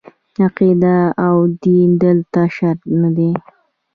عقیده او دین دلته شرط نه دي.